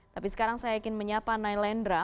tapi sekarang saya ingin menyapa nailendra